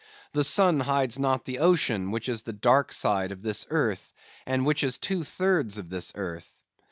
The sun hides not the ocean, which is the dark side of this earth, and which is two thirds of this earth.